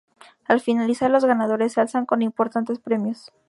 Al finalizar, los ganadores se alzan con importantes premios.